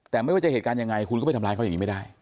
แต่ไม่ว่าจะเหตุการณ์ยังไงคุณก็ไปทำร้ายเขาอย่างนี้ไม่ได้